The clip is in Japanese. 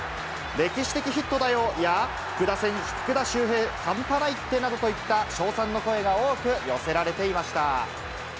歴史的ヒットだよや、福田周平半端ないってなどといった、称賛の声が多く寄せられていました。